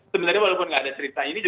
sebenarnya walaupun nggak ada cerita ini